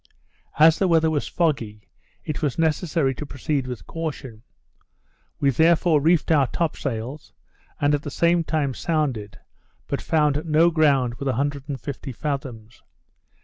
As the weather was foggy, it was necessary to proceed with caution. We therefore reefed our top sails, and at the same time sounded, but found no ground with 150 fathoms.